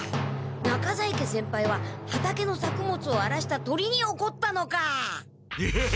中在家先輩は畑の作物をあらした鳥におこったのか！